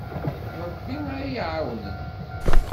D Ṛebbi ay aɣ-iɛawnen.